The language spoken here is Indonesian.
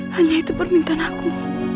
hanya itu permintaan aku